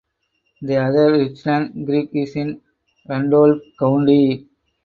The other Richland Creek is in Randolph County.